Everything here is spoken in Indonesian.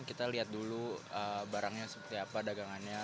kita lihat dulu barangnya seperti apa dagangannya